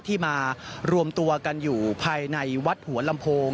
ที่มารวมตัวกันอยู่ภายในวัดหัวลำโพง